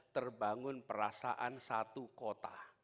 terbangun perasaan satu kota